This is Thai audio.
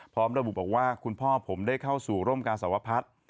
พร้อมระบุบอกว่าคุณพ่อผมได้เข้าสู่ร่มกาสวพัฒน์